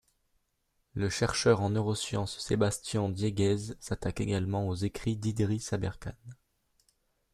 Le chercheur en neurosciences Sebastian Dieguez s'attaque également aux écrits d'Idriss Aberkane.